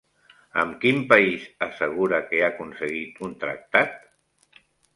Amb quin país assegura que ha aconseguit un tractat?